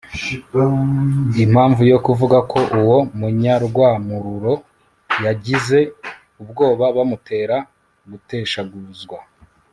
impamvu yo kuvuga ko uwo munyarwamururo yagize ubwoba bumutera guteshaguzwa